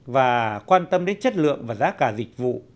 và quan tâm đến chất lượng và giá cả dịch vụ